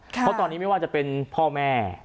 เพราะตอนนี้ไม่ว่าจะเป็นพ่อแม่